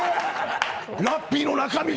ラッピーの中身が！